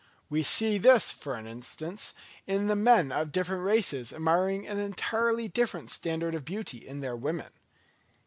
We see this, for instance, in the men of different races admiring an entirely different standard of beauty in their women.